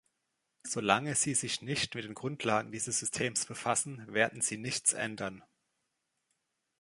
Solange Sie sich nicht mit den Grundlagen dieses Systems befassen, werden Sie nichts ändern.